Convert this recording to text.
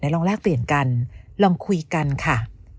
ลองแลกเปลี่ยนกันลองคุยกันค่ะ